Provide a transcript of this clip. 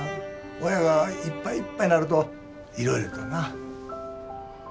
親がいっぱいいっぱいなるといろいろとな。